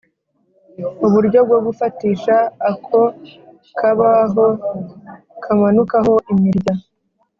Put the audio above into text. Uburyo bwo gufatisha ako kabaho kamanukaho imirya